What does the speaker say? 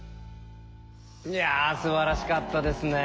いやすばらしかったですね。